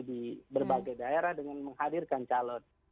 di berbagai daerah dengan menghadirkan calon